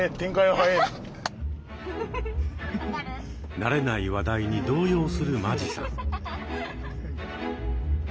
慣れない話題に動揺する間地さん。